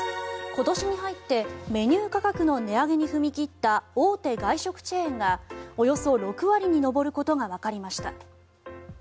今年に入ってメニュー価格の値上げに踏み切った大手外食チェーンがおよそ６割に上ることがわかりました。